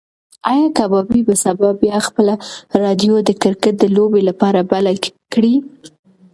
ایا کبابي به سبا بیا خپله راډیو د کرکټ د لوبې لپاره بله کړي؟